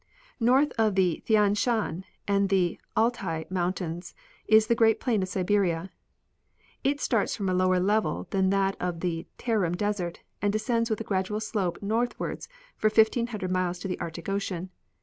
North of the Thian Shan and the Altai mountains is the great plain of Siberia. It starts from a lower level than that of the Tarim desert and descends with a gradual slope northward for 1,500 miles to the Arctic ocean.